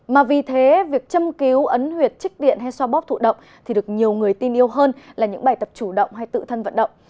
mà vì thế việc châm cứu ấn huyệt trích điện hay xoa bóp thụ động thì được nhiều người tin yêu hơn là những bài tập chủ động hay tự thân vận động